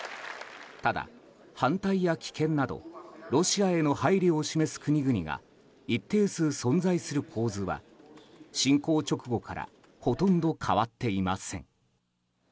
ただ、反対や棄権などロシアへの配慮を示す国々が一定数存在する構図は侵攻直後からほとんど変わっていません。